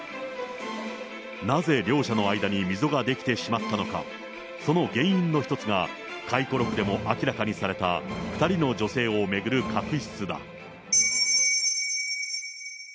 なぜ両者の間に溝が出来てしまったのか、その原因の一つが、回顧録でも明らかにされた２人の女性を巡る確執だ。